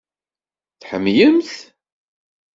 Tḥemmlem-t?